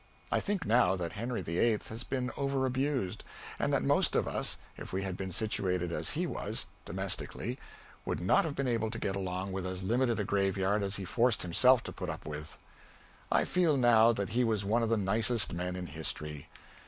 I think now that Henry the Eighth has been over abused, and that most of us, if we had been situated as he was, domestically, would not have been able to get along with as limited a graveyard as he forced himself to put up with. I feel now that he was one of the nicest men in history.